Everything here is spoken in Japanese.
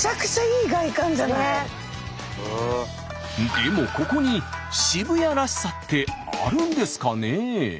でもここに渋谷らしさってあるんですかね？